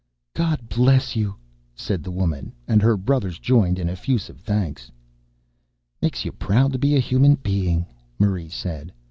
"God bless you," said the woman and her brothers joined in effusive thanks. "Makes you proud to be a human being," Marie said.